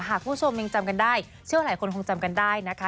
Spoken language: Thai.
คุณผู้ชมยังจำกันได้เชื่อว่าหลายคนคงจำกันได้นะคะ